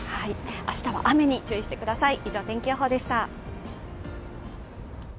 明日は雨に注意してください。